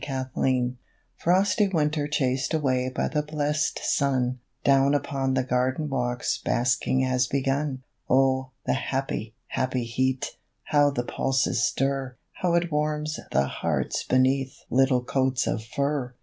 BASKING Frosty winter chased away By the blessed sun, Down upon the garden walks Basking has begun. Oh, the happy, happy heat! How the pulses stir, How it warms the hearts beneath Little coats of fur!